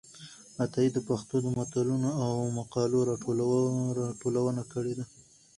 عطايي د پښتو د متلونو او مقالو راټولونه کړې ده.